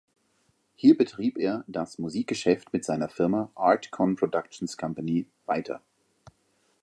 Hier betrieb er das Musikgeschäft mit seiner Firma „Art-Con Productions Company“ weiter.